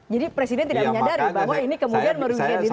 jadi presiden tidak menyadari bahwa ini kemudian merugikan dirinya